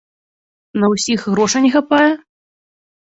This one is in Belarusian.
На ўсіх грошай не хапае?